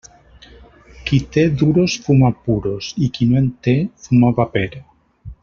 Qui té duros fuma puros i qui no en té fuma paper.